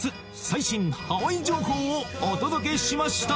最新ハワイ情報をお届けしました・